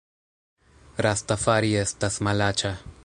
Rastafari estas malaĉa